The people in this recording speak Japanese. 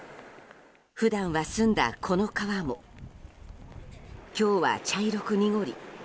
普段は澄んだこの川も今日は茶色く濁り